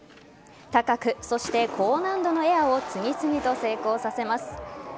高く、そして高難度のエアを次々と成功させます。